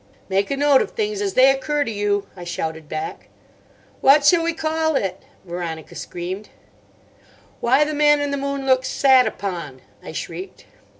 "Make a note of things as they occur to you," I shouted back. "What shall we call it?" Veronica screamed. "'Why the Man in the Moon looks sat upon,'" I shrieked.